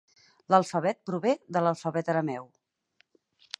L'alfabet prové de l'alfabet arameu.